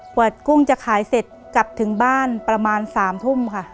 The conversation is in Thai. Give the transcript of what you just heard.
กว่ากุ้งจะขายเสร็จกลับถึงบ้านประมาณ๓ทุ่มค่ะ